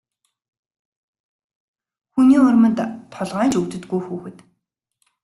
Хүний урманд толгой нь ч өвддөггүй хүүхэд.